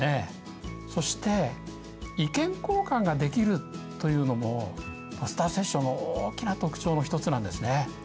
そして意見交換ができるというのもポスターセッションの大きな特徴の一つなんですね。